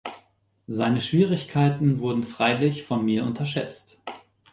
Seine Schwierigkeiten wurden freilich von mir unterschätzt.